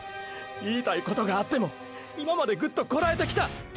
言いたいことがあっても今までグッとこらえてきた。